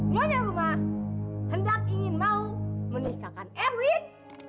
mau nyuruh mah hendak ingin mau menikahkan erwin